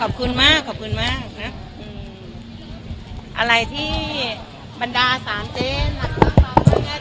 ขอบคุณมากขอบคุณมากนะอืมอะไรที่บรรดาสามเจ๊หลักตั้งความ